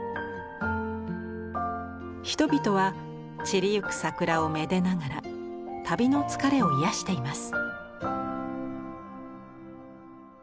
人々は散りゆく桜をめでながら旅の疲れを癒やしています。